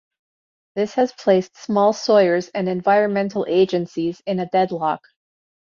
This has placed small sawyers and environmental agencies in a deadlock.